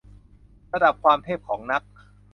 ระดับความเทพ ของนัก